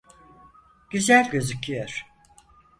Güzel gözüküyor.